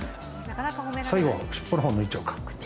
最後は尻尾のほうに抜いちゃおうか。